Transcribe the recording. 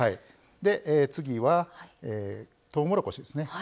次はとうもろこしですね。